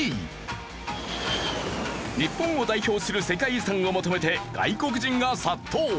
日本を代表する世界遺産を求めて外国人が殺到！